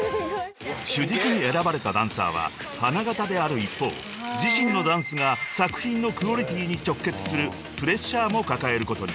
［主軸に選ばれたダンサーは花形である一方自身のダンスが作品のクオリティーに直結するプレッシャーも抱えることに］